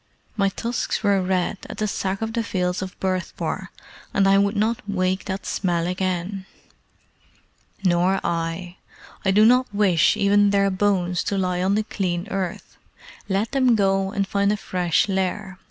My tusks were red at the Sack of the Fields of Bhurtpore, and I would not wake that smell again." "Nor I. I do not wish even their bones to lie on the clean earth. Let them go and find a fresh lair.